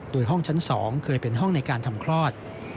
โดยห้องชั้น๒เคยเป็นห้องในการทำคลอด